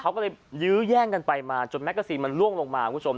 เขาก็เลยยื้อแย่งกันไปมาจนแกซีนมันล่วงลงมาคุณผู้ชม